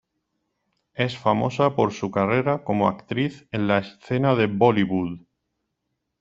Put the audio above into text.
Es famosa por su carrera como actriz en la escena de Bollywood.